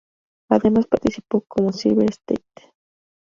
Además participó como Silver St.